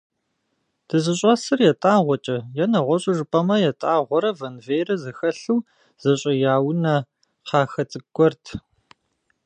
ДызыщӀэсыр ятӀагъуэкӀэ, е, нэгъуэщӀу жыпӀэмэ, ятӀагъуэрэ вэнвейрэ зэхэлъу зэщӀэя унэ кхъахэ цӀыкӀу гуэрт.